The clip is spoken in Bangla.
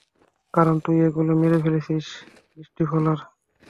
কারণ, তুই এগুলো মেরে ফেলেছিস, স্টিফলার।